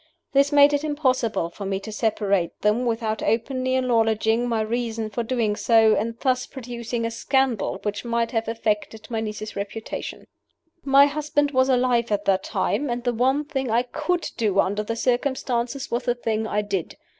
This made it impossible for me to separate them without openly acknowledging my reason for doing so, and thus producing a scandal which might have affected my niece's reputation. My husband was alive at that time; and the one thing I could do under the circumstances was the thing I did.